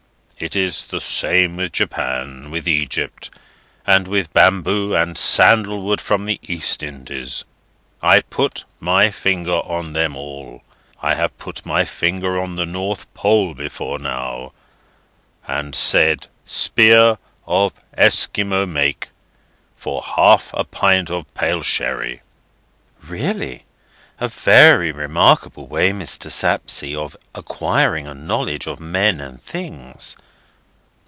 It is the same with Japan, with Egypt, and with bamboo and sandalwood from the East Indies; I put my finger on them all. I have put my finger on the North Pole before now, and said 'Spear of Esquimaux make, for half a pint of pale sherry!'" "Really? A very remarkable way, Mr. Sapsea, of acquiring a knowledge of men and things."